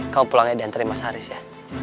kamu pulang aja dan terima mas haris ya